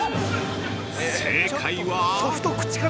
◆正解は？